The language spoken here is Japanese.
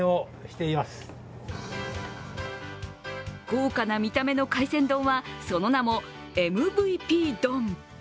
豪華な見た目の海鮮丼はその名もＭＶＰ丼。